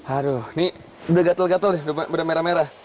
aduh ini udah gatel gatel nih udah merah merah